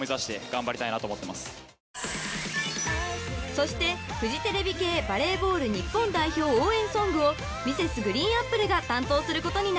［そしてフジテレビ系バレーボール日本代表応援ソングをＭｒｓ．ＧＲＥＥＮＡＰＰＬＥが担当することになりました］